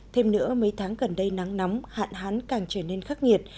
thêm nữa mấy tháng gần đây nắng nóng hạn hán càng trở nên khắc nghiệt